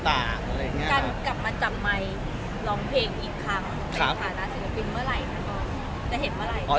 การกลับมาจำไมค์ร้องเพลงอีกครั้งเป็นภาษาสินฟิลเมื่อไหรย